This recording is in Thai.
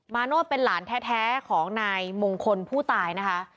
โน้ตเป็นหลานแท้ของนายมงคลผู้ตายนะคะ